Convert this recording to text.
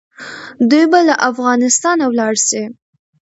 دوی به له افغانستانه ولاړ سي.